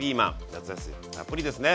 夏野菜たっぷりですね。